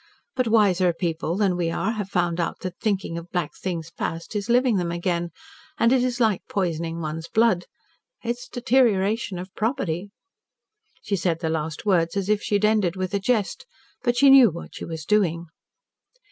But wiser people than we are have found out that thinking of black things past is living them again, and it is like poisoning one's blood. It is deterioration of property." She said the last words as if she had ended with a jest. But she knew what she was doing.